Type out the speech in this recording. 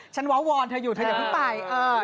ว้าวอนเธออยู่เธออย่าเพิ่งไป